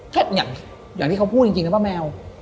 แค่อย่างที่เขาพูดจริงครับว่าแมว